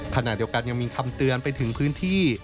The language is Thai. ขณะเดียวกันยังมีคำเตือนไปถึงพื้นที่